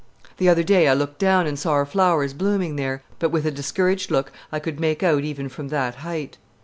The other day I looked down and saw our flowers blooming there, but with a discouraged look I could make out even from that height.